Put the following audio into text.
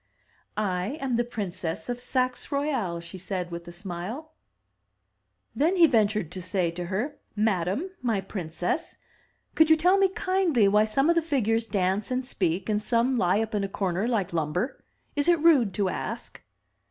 "I am the Princess of Saxe Royale," she said with a smile. 303 M Y BOOK HOUSE Then he ventured to say to her: "Madame, my princess, could you tell me kindly why some of the figures dance and speak, and some lie up in a comer like lumber? Is it rude to ask?'